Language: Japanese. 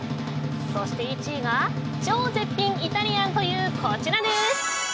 そして１位が超絶品イタリアンという、こちらです。